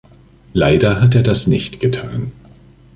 Leider hat er das nicht getan.